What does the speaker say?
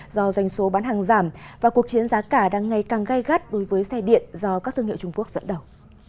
do doanh số bán hàng giảm và cuộc chiến giá cả đang ngày càng gây gắt đối với xe điện do các thương hiệu trung quốc dẫn đầu